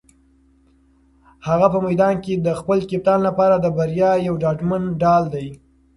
هغه په میدان کې د خپل کپتان لپاره د بریا یو ډاډمن ډال دی.